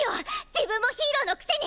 自分もヒーローのくせに！